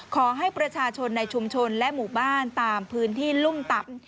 ขอให้ประชาชนในชุมชนและหมู่บ้านตามพื้นที่ลุ่มต่ำ